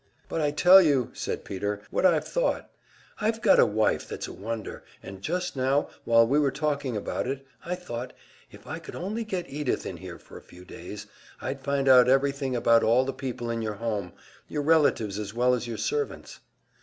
"But I tell you," said Peter, "what I've thought. I've got a wife that's a wonder, and just now while we were talking about it, I thought, if I could only get Edythe in here for a few days, I'd find out everything about all the people in your home, your relatives as well as your servants."